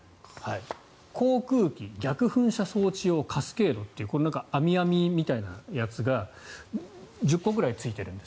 航空機逆噴射装置用カスケードというあみあみみたいなやつが１０個ぐらいついてるんです。